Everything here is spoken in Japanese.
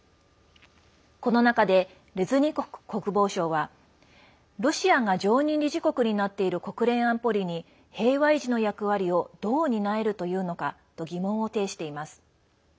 この中で、レズニコフ国防相はロシアが常任理事国になっている国連安保理に、平和維持の役割をどう担えるというのかと疑問を呈しています。